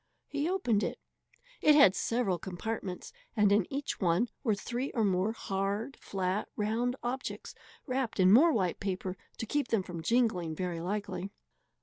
He opened it. It had several compartments, and in each one were three or more hard, flat, round objects wrapped in more white paper to keep them from jingling, very likely.